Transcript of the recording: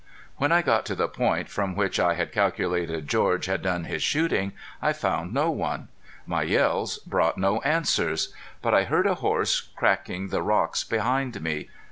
When I got to the point from which I had calculated George had done his shooting I found no one. My yells brought no answers. But I heard a horse cracking the rocks behind me.